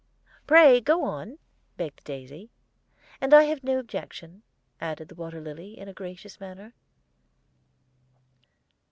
"Pray go on," begged the daisy. And "I have no objection," added the water lily, in a gracious manner.